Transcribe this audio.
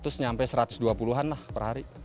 terus nyampe satu ratus dua puluh an lah per hari